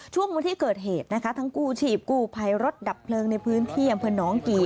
วันที่เกิดเหตุนะคะทั้งกู้ชีพกู้ภัยรถดับเพลิงในพื้นที่อำเภอน้องกี่